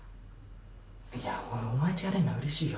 いやお前とやれるのはうれしいよ